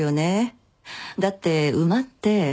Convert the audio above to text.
だって馬って。